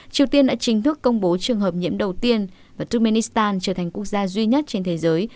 triều tiên đã chính thức công bố trường hợp nhiễm đầu tiên và turkmenistan trở thành quốc gia duy nhất trên thế giới